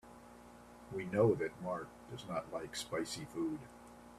We know that Mark does not like spicy food.